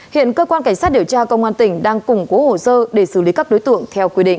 hiện cơ quan cảnh sát điều tra công an tỉnh đang củng cố hồ sơ để xử lý các đối tượng theo quy định